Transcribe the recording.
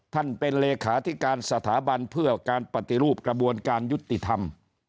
ท่านเป็นเลขาธิการสถาบันเพื่อการปฏิรูปกระบวนการยุติธรรม